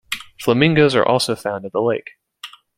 Flamingoes are also found at the lake.